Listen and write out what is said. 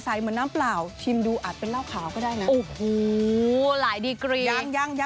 สักครั้งจะจุกเอานะคะ